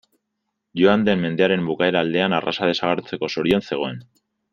Joan den mendearen bukaera aldean arraza desagertzeko zorian zegoen.